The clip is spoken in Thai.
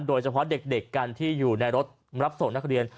โดยเฉพาะเด็กกันที่อยู่ในรถรับส่งนักเรียน